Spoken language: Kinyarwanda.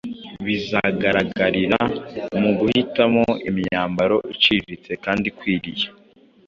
bizagaragarira mu guhitamo imyambaro iciriritse kandi ikwiriye.